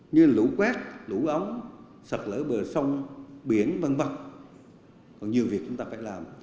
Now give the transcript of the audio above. như lũ quét lũ ống sạch lỡ bờ sông biển văn bậc nhiều việc chúng ta phải làm